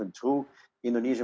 dengan pasangan indonesia